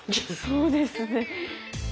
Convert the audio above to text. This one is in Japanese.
そうですね。